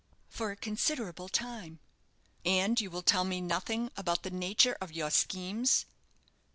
"For a considerable time." "And you will tell me nothing about the nature of your schemes?"